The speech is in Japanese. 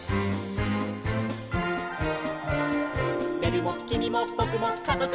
「べるもきみもぼくもかぞくも」